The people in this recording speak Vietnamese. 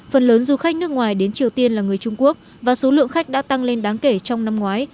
phần lớn du khách nước ngoài đến triều tiên là người trung quốc và số lượng khách đã tăng lên đáng kể trong năm ngoái